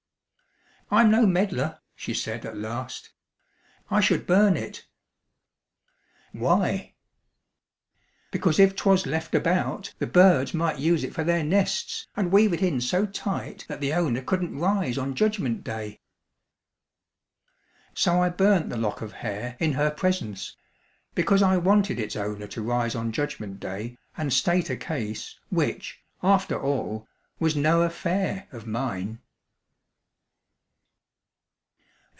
"I'm no meddler," she said at last; "I should burn it." "Why?" "Because if 'twas left about, the birds might use it for their nests, and weave it in so tight that the owner couldn't rise on Judgment day." So I burnt the lock of hair in her presence; because I wanted its owner to rise on Judgment day and state a case which, after all, was no affair of mine.